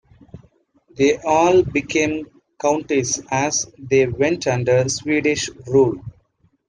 They all became counties as they went under Swedish rule.